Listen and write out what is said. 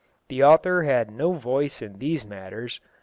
The author had no voice in these matters.